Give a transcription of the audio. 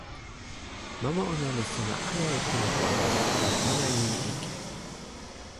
mama ona li sona ala e kule kon, li pana e nimi ike.